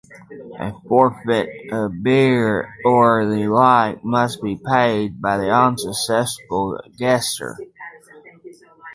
A forfeit of beer or the like must be paid by the unsuccessful guesser.